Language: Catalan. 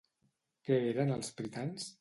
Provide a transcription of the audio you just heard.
Què eren els pritans?